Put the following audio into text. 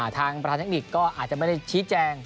ทางประธานเทคนิคก็อาจจะไม่ได้ชี้แจง